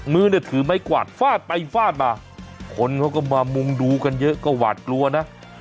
มือเนี่ยถือไม้กวาดฟาดไปฟาดมาคนเขาก็มามุงดูกันเยอะก็หวาดกลัวนะ